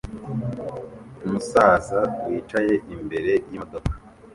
Umusaza wicaye imbere yimodoka